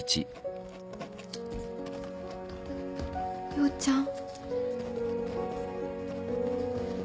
陽ちゃん。